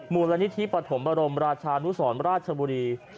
มูลนิธิปฐมบรมราชานุสรราชบุรี